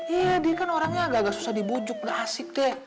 iya dia kan orangnya agak agak susah dibujuk gak asik deh